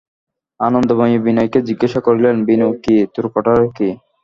আনন্দময়ী বিনয়কে জিজ্ঞাসা করিলেন, বিনু, কী, তোর কথাটা কী?